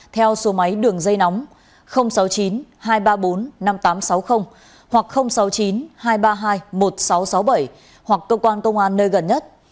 theo số máy đường dây nóng sáu mươi chín hai trăm ba mươi bốn năm nghìn tám trăm sáu mươi hoặc sáu mươi chín hai trăm ba mươi hai một nghìn sáu trăm sáu mươi bảy hoặc cơ quan công an nơi gần nhất